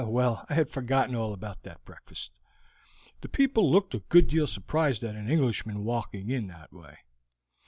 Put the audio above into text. Well, I had forgotten all about that breakfast. The people looked a good deal surprised at an Englishman walking in in that way.